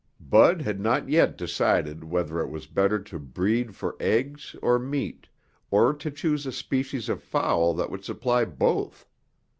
Bud had not yet decided whether it was better to breed for eggs or meat, or to choose a species of fowl that would supply both.